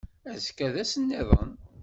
Azekka d ass nniḍen.